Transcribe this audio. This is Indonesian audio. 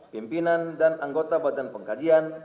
pimpinan dan anggota badan pengkajian